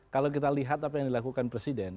kalau kita lihat apa yang dilakukan presiden